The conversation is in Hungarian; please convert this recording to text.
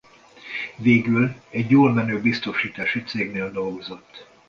Végül egy jól menő biztosítási cégnél dolgozott.